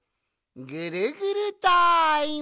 ぐるぐるタイム！